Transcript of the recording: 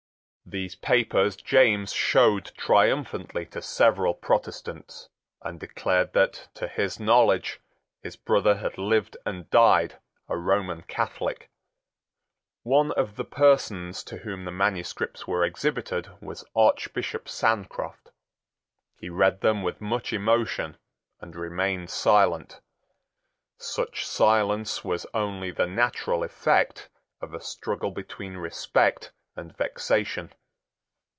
These papers James showed triumphantly to several Protestants, and declared that, to his knowledge, his brother had lived and died a Roman Catholic. One of the persons to whom the manuscripts were exhibited was Archbishop Sancroft. He read them with much emotion, and remained silent. Such silence was only the natural effect of a struggle between respect and vexation.